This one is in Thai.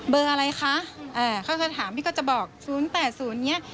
เบอร์อะไรคะเขาก็จะถามพี่ก็จะบอก๐๘๐เนี่ย